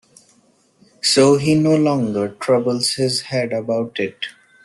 So he no longer troubles his head about it.